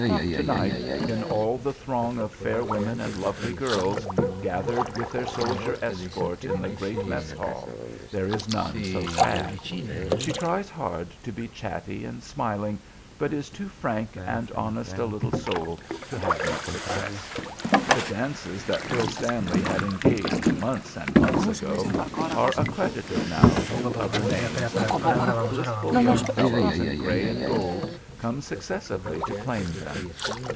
To night, in all the throng of fair women and lovely girls, gathered with their soldier escort in the great mess hall, there is none so sad. She tries hard to be chatty and smiling, but is too frank and honest a little soul to have much success. The dances that Phil Stanley had engaged months and months ago are accredited now to other names, and blissful young fellows in gray and gold come successively to claim them.